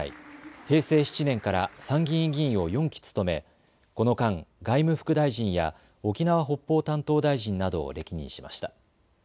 平成７年から参議院議員を４期務め、この間、外務副大臣や沖縄・北方担当大臣などを歴任しました。